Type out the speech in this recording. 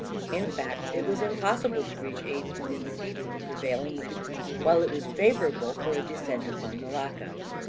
In fact, it was impossible to reach Aden in the teeth of the prevailing wind, while it was favourable for a descent upon Malacca.